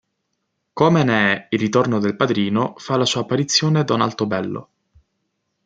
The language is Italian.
Come ne "Il ritorno del padrino", fa la sua apparizione Don Altobello.